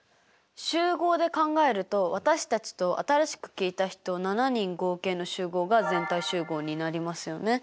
集合で考えると私たちと新しく聞いた人７人合計の集合が全体集合になりますよね。